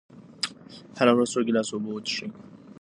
هره ورځ څو ګیلاسه اوبه وڅښئ.